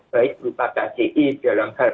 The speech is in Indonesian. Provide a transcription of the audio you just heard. baik berupa kci dalam hal